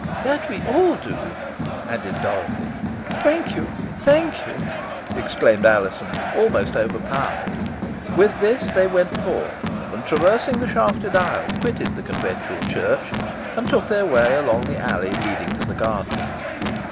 "That we all do," added Dorothy. "Thank you! thank you!" exclaimed Alizon, almost overpowered. With this they went forth, and, traversing the shafted aisle, quitted the conventual church, and took their way along the alley leading to the garden.